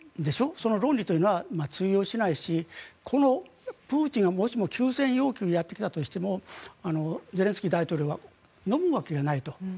その論理というのは通用しないしプーチンがもしも休戦要求をやってきたとしてもゼレンスキー大統領がのむわけがないと。